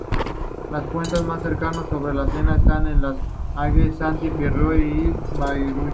Los puentes más cercanos sobre el Sena están en Les Andelys y Saint-Pierre-du-Vauvray.